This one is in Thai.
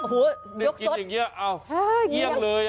นึกกินอย่างนี้เอ้าเหี้ยงเลย